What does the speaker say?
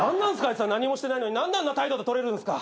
あいつは何もしてないのに何であんな態度取れるんすか！？